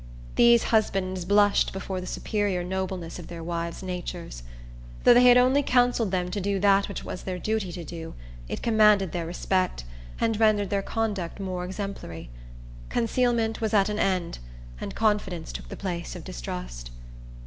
These husbands blushed before the superior nobleness of their wives' natures. Though they had only counselled them to do that which it was their duty to do, it commanded their respect, and rendered their conduct more exemplary. Concealment was at an end, and confidence took the place of distrust.